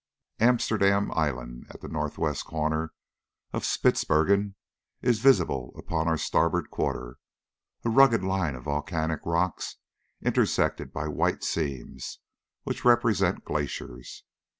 Amsterdam Island, at the north west corner of Spitzbergen, is visible upon our starboard quarter a rugged line of volcanic rocks, intersected by white seams, which represent glaciers.